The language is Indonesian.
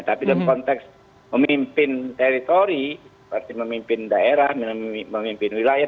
tapi dalam konteks memimpin teritori seperti memimpin daerah memimpin wilayah